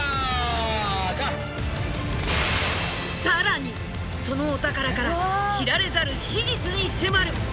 更にそのお宝から知られざる史実に迫る。